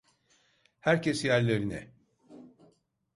Herkes yerlerine!